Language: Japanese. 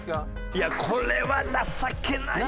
いやこれは情けない！